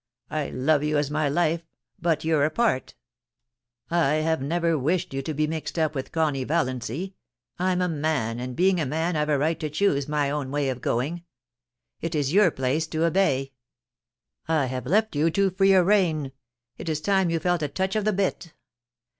I love you as my life, but you're apart I have never wished you to be mixed up with Connie Valiancy. I'm a man, and being a man I've a right to choose my own way of going. It is your place to obey. I have let you have too free a rein ; it is time you felt a touch of the bit.